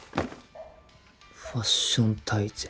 「ファッション大全」